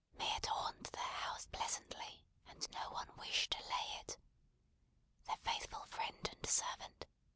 May it haunt their houses pleasantly, and no one wish to lay it. Their faithful Friend and Servant, C.